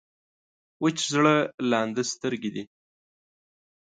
وچ زړه لانده سترګې دي.